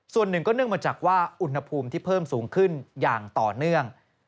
ส่วนหนึ่งก็เนื่องมาจากว่าอุณหภูมิที่เพิ่มสูงขึ้นอย่างต่อเนื่อง